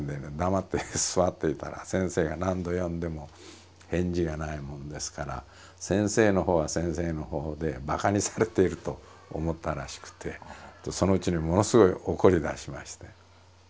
黙って座っていたら先生が何度呼んでも返事がないもんですから先生のほうは先生のほうでバカにされていると思ったらしくてそのうちにものすごい怒りだしまして。